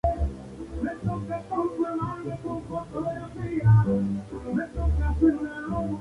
Ella era así.